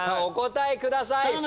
お答えください。